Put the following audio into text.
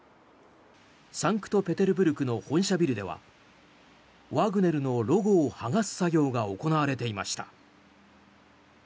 サンクトペテルブルクの本社ビルではワグネルのロゴを剥がす作業が行われていました。